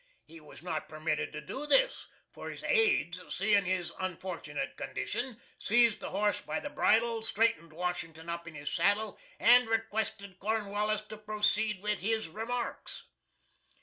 He was not permitted to do this, for his aids, seeing his unfortunate condition, seized the horse by the bridle, straightened Washington up in his saddle, and requested Cornwallis to proceed with his remarks.